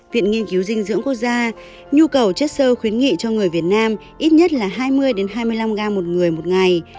viện nghiên cứu dinh dưỡng quốc gia nhu cầu chất sơ khuyến nghị cho người việt nam ít nhất là hai mươi hai mươi năm gram một người một ngày